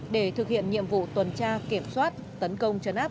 để thực hiện nhiệm vụ tuần tra kiểm soát tấn công chấn áp